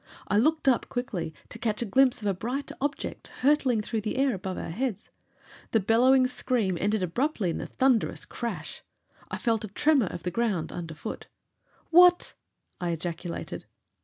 I looked up quickly, to catch a glimpse of a bright object hurtling through the air above our heads. The bellowing scream ended abruptly in a thunderous crash. I felt a tremor of the ground underfoot. "What " I ejaculated.